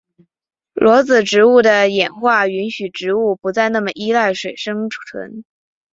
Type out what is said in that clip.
裸子植物的演化允许植物不再那么依赖水生存。